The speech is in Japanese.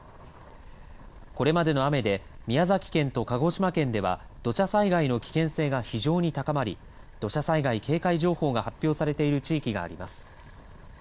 これまでの雨で宮崎県と鹿児島県では土砂災害の危険性が非常に高まり、土砂災害警戒情報が発表されている地域があります。